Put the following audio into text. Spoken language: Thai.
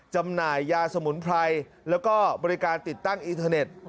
จำหน่ายยาสมุนไพรแล้วก็บริการติดตั้งอินเทอร์เน็ต